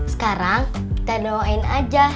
sekarang kita doain aja